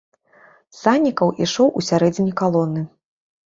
Саннікаў ішоў у сярэдзіне калоны.